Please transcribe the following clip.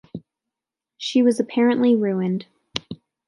She was apparently ruined.